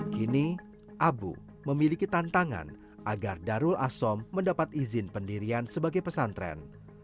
kini abu memiliki tantangan agar darul asom mendapat izin pendirian sebagai pesantren